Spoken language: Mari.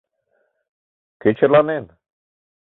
Кӧ черланен?